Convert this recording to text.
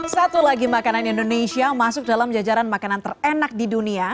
satu lagi makanan indonesia masuk dalam jajaran makanan terenak di dunia